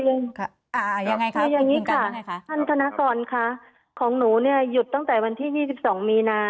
อย่างนี้ค่ะท่านธนาคอนของหนูหยุดตั้งแต่วันที่๒๒มีนา